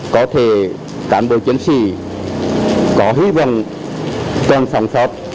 có thể cán bộ chiến sĩ có hy vọng còn sản phẩm